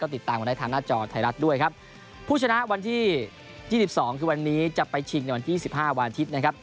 ติดตามกันได้ทางหน้าจอไทยรัฐด้วยครับผู้ชนะวันที่ยี่สิบสองคือวันนี้จะไปชิงในวันที่สิบห้าวันอาทิตย์นะครับ